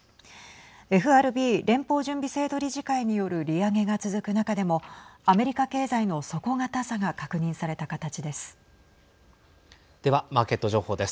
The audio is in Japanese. ＦＲＢ＝連邦準備制度理事会による利上げが続く中でもアメリカ経済の底堅さが確認された形です。